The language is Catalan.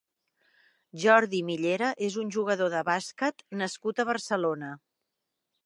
Jordi Millera és un jugador de bàsquet nascut a Barcelona.